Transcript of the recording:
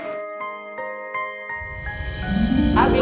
gemar waktu kab média